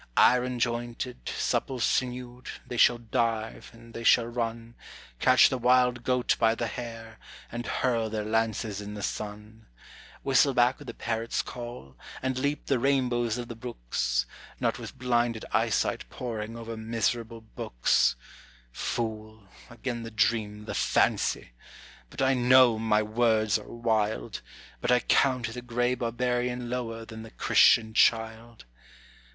Iron jointed, supple sinewed, they shall dive, and they shall run, Catch the wild goat by the hair, and hurl their lances in the sun, Whistle back the parrot's call, and leap the rainbows of the brooks, Not with blinded eyesight poring over miserable books Fool, again the dream, the fancy! but I know my words are wild, But I count the gray barbarian lower than the Christian child.